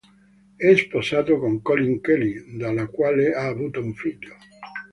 È sposato con Colleen Kelly dalla quale ha avuto un figlio.